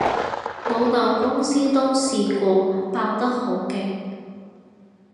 老豆公司都試過爆得好勁